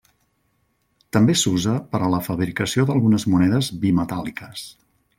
També s'usa per a la fabricació d'algunes monedes bimetàl·liques.